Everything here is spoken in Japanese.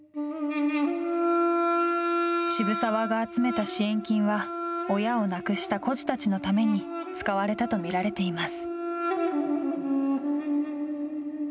渋沢が集めた支援金は、親を亡くした孤児たちのために使われたと見られています。